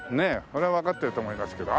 それはわかってると思いますけど。